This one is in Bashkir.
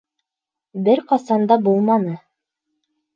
Бер ҡасан да булманы.